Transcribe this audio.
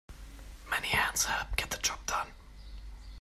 Many hands help get the job done.